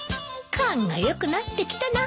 勘が良くなってきたな。